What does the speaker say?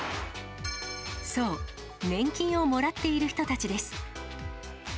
そう、年金をもらっている人たちです。